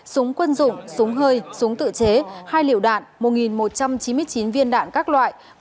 súng quân dụng súng hơi súng tự chế hai l liệu đạn một một trăm chín mươi chín viên đạn các loại